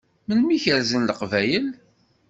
Melmi i kerrzen Leqbayel?